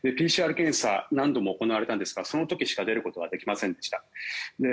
ＰＣＲ検査が何度も行われたんですがその時しか出ることはできませんでした。